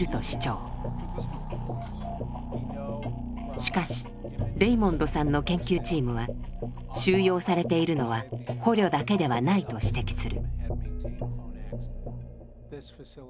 しかしレイモンドさんの研究チームは収容されているのは捕虜だけではないと指摘する。